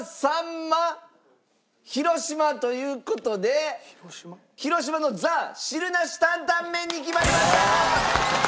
ま広島という事で広島のＴＨＥ・汁なし担担麺に決まりました！